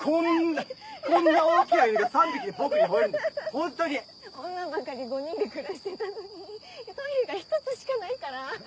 女ばかり５人で暮らしてたのにトイレが１つしかないから。